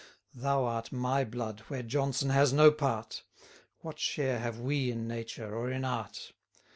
Thou art my blood, where Jonson has no part: What share have we in nature, or in art?